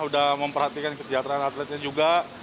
udah memperhatikan kesejahteraan atletnya juga